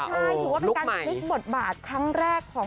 ใช่ถือว่าเป็นการพลิกบทบาทครั้งแรกของ